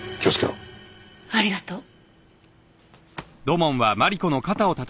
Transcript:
ありがとう。